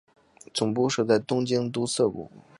总部设在东京都涩谷。